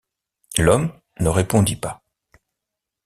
L’homme ne répondit pas.